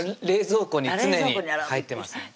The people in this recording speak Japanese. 冷蔵庫に常に入ってます